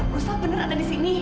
gustaf bener ada di sini